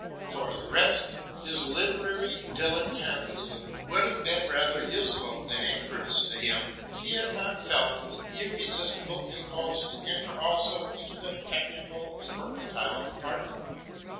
For the rest, his literary dilettantism would have been rather useful than injurious to him, if he had not felt an irre sistible impulse to enter also into the technical and mercantile department.